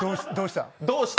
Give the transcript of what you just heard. どうした？